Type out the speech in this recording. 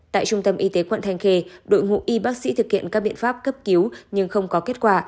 tại trung tâm y tế quận thanh khê đội ngũ y bác sĩ thực hiện các biện pháp cấp cứu nhưng không có kết quả